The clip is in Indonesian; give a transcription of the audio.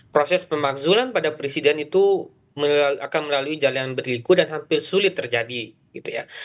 proses pemakzulan pada presiden itu akan melalui jalan berliku dan hampir sulit terjadi gitu ya